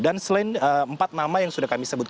dan selain empat nama yang sudah kami panggil